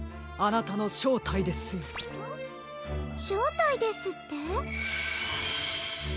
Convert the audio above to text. しょうたいですって？